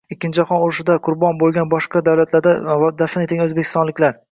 ikkinchi Jahon urushida qurbon bo‘lgan, boshqa davlatlarda dafn etilgan O‘zbekistonliklar